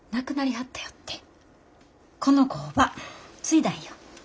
この工場継いだんよ。